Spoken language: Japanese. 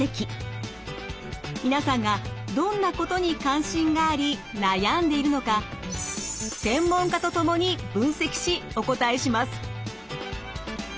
皆さんがどんなことに関心があり悩んでいるのか専門家と共に分析しお答えします。